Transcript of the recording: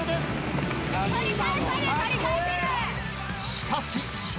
しかし笑